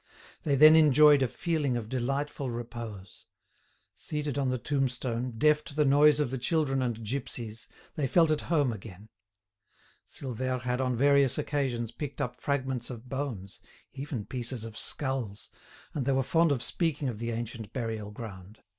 They then enjoyed a feeling of delightful repose. Seated on the tombstone, deaf to the noise of the children and gipsies, they felt at home again. Silvère had on various occasions picked up fragments of bones, even pieces of skulls, and they were fond of speaking of the ancient burial ground.